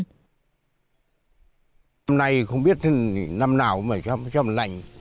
hôm nay không biết năm nào mà chăm lạnh